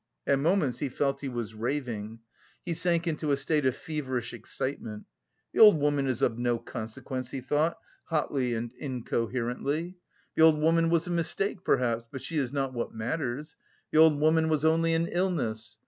At moments he felt he was raving. He sank into a state of feverish excitement. "The old woman is of no consequence," he thought, hotly and incoherently. "The old woman was a mistake perhaps, but she is not what matters! The old woman was only an illness....